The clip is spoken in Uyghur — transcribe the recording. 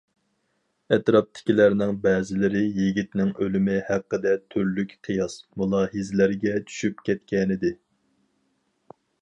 ئەتراپتىكىلەرنىڭ بەزىلىرى يىگىتنىڭ ئۆلۈمى ھەققىدە تۈرلۈك قىياس، مۇلاھىزىلەرگە چۈشۈپ كەتكەنىدى.